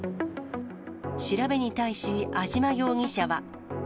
調べに対し、安島容疑者は。